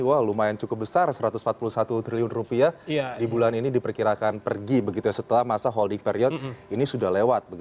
wah lumayan cukup besar satu ratus empat puluh satu triliun rupiah di bulan ini diperkirakan pergi begitu ya setelah masa holding period ini sudah lewat